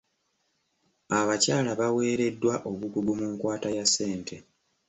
Abakyala baweereddwa obukugu mu nkwata ya ssente.